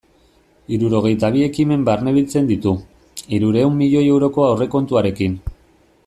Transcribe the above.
Hirurogeita bi ekimen barnebiltzen ditu, hirurehun milioi euroko aurrekontuarekin.